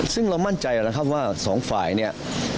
ซึ่งเรามั่นใจว่าสองฝ่ายเนี่ย